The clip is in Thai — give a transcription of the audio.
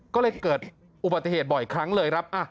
ก็เลยเกิดอุบัติเหตุบ่อยครั้งเลยครับ